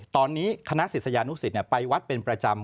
ตอนนี้คณะศิษยานุสิตไปวัดเป็นประจำ